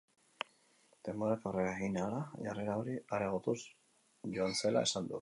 Denborak aurrera egin ahala jarrera hori areagotuz joan zela esan du.